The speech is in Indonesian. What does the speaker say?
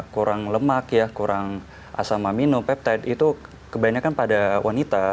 kurang lemak ya kurang asam amino peptide itu kebanyakan pada wanita